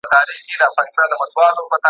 مثبت فکر انرژي نه خرابوي.